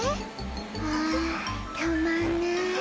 「はぁたまんない」